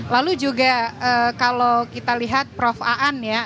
lalu juga kalau kita lihat prof aan ya